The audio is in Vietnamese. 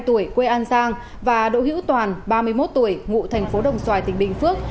ba mươi hai tuổi quê an giang và đỗ hữu toàn ba mươi một tuổi ngụ tp đồng xoài tỉnh bình phước